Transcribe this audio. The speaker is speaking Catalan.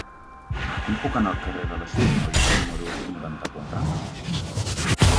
Com puc anar al carrer de l'Espinoi número noranta-quatre?